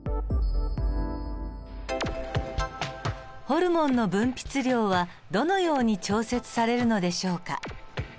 ホルモンの分泌量はどのように調節されるのでしょうか？